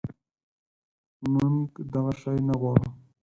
منږ دغه شی نه غواړو